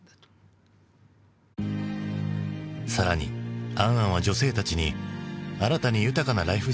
更に「ａｎ・ａｎ」は女性たちに新たに豊かなライフスタイルを提案した。